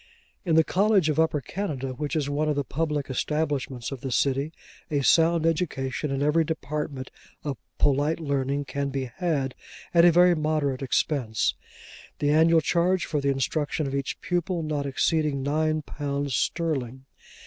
In the College of Upper Canada, which is one of the public establishments of the city, a sound education in every department of polite learning can be had, at a very moderate expense: the annual charge for the instruction of each pupil, not exceeding nine pounds sterling.